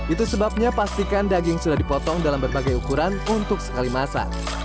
itu sebabnya pastikan daging sudah dipotong dalam berbagai ukuran untuk sekali masak